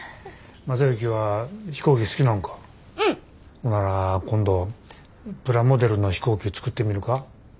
ほなら今度プラモデルの飛行機作ってみるか？